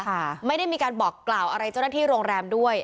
ค่ะไม่ได้มีการบอกกล่าวอะไรเจ้าหน้าที่โรงแรมด้วย